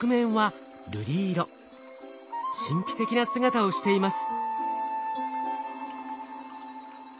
神秘的な姿をしています。